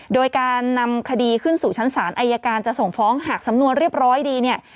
โดยการนำคดีขึ้นสู่ชั้นศาลอายการจะส่งฟ้องหากสำนวนเรียบร้อยดีเนี่ย